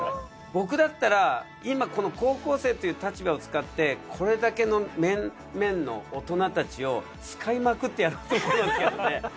僕だったら今この高校生という立場を使ってこれだけの面々の大人たちを使いまくってやろうと思いますけどね。